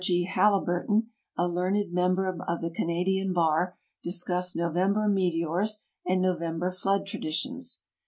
G. Haliburton, a learned member of the Canadian Bar, discussed November Meteors and Novem ber Flood Traditions.